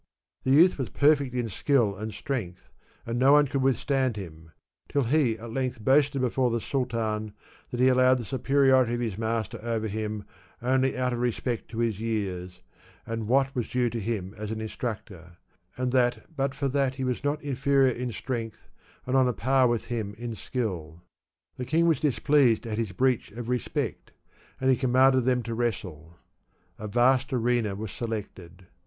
The youth was perfect in skill and strength, and no one could withstand him, till he at length boasted before the Sultan that he allowed the superiority of his master over him only out of respect to his years, and what was due to him as an instructor, and that but for that he was not inferior in strength, and on a par with him in skill. The king was displeased at his breach of respect, and he commanded them to wrestle. A vast arena was selected.